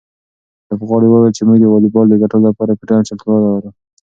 لوبغاړي وویل چې موږ د واليبال د ګټلو لپاره پوره چمتووالی لرو.